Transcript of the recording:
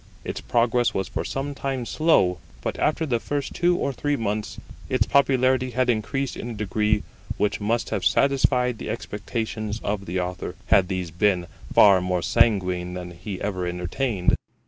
Its progress was for some time slow; but after the first two or three months its popularity had increased in a degree which must have satisfied the expectations of the Author, had these been far more sanguine than he ever entertained.